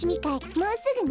もうすぐね。